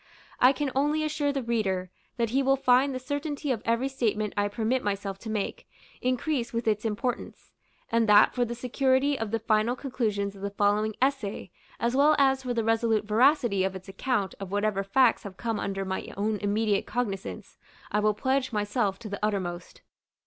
I can only assure the reader, that he will find the certainty of every statement I permit myself to make, increase with its importance; and that, for the security of the final conclusions of the following essay, as well as for the resolute veracity of its account of whatever facts have come under my own immediate cognizance, I will pledge myself to the uttermost.